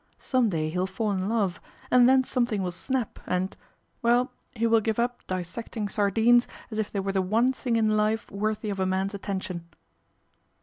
Some day he'll fall in love, and then something will snap and well, he will give up dissecting sardines as if they were the one thing in life worthy of a man's attention."